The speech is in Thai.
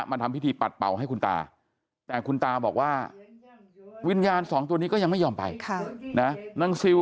มาทำพิธีปัดเป่าให้คุณตาแต่คุณตาบอกว่าวิญญาณ๒ตัวนี้